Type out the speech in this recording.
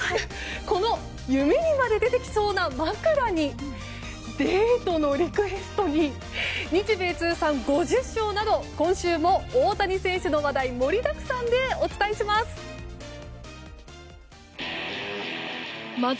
この夢にまで出てきそうな枕にデートのリクエストに日米通算５０勝など今週も大谷選手の話題盛りだくさんでお伝えします。